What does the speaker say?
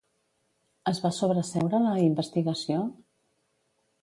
Es va sobreseure la investigació?